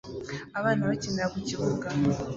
Abana bakinira ku kibuga